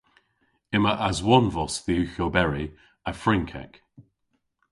Yma aswonvos dhywgh oberi a Frynkek.